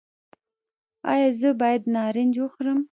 ایا زه باید نارنج وخورم؟